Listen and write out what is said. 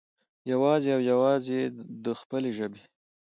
يوازې او يوازې د خپلو ژبې